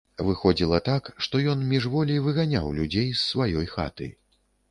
Выходзіла так, што ён міжволі выганяў людзей з сваёй хаты.